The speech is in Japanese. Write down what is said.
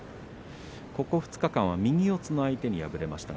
２日間は右の相手に敗れました。